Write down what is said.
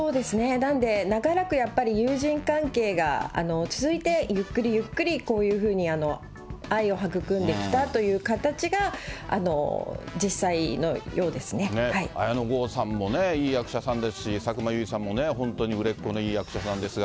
なんで、長らくやっぱり友人関係が続いて、ゆっくりゆっくり、こういうふうに愛を育んできたという形が、ね、綾野剛さんもね、いい役者さんですし、佐久間由衣さんも本当に売れっ子のいい役者さんですが。